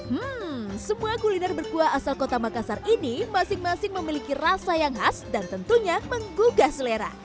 hmm semua kuliner berkuah asal kota makassar ini masing masing memiliki rasa yang khas dan tentunya menggugah selera